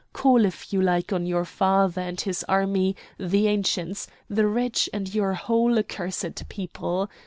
Call, if you like, on your father and his army, the Ancients, the rich, and your whole accursed people!